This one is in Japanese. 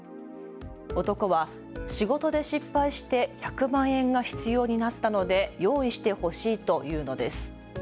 男は仕事で失敗して１００万円が必要になったので用意してほしいと言うのです。